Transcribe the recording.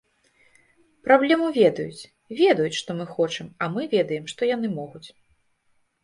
Праблему ведаюць, ведаюць, што мы хочам, а мы ведаем, што яны могуць.